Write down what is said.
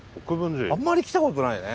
あんまり来たことないね。